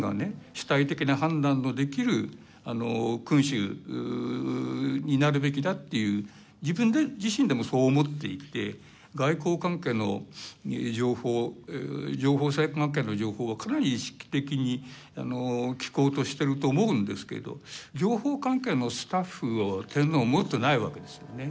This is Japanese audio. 主体的な判断のできる君主になるべきだっていう自分自身でもそう思っていて外交関係の情報国際関係の情報はかなり意識的に聞こうとしてると思うんですけど情報関係のスタッフを天皇は持ってないわけですよね。